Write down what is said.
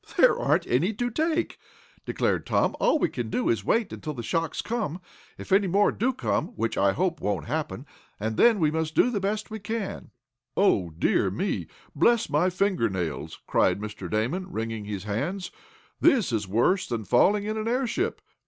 "There aren't any to take," declared Tom. "All we can do is to wait until the shocks come if any more do come, which I hope won't happen, and then we must do the best we can." "Oh, dear me! Bless my fingernails!" cried Mr. Damon, wringing his hands. "This is worse than falling in an airship!